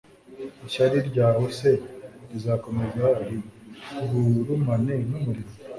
ishyari ryawe se rizakomeza rigurumane nk’umuriro?